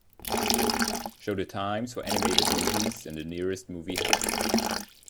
Show the times for animated movies in the nearest movie house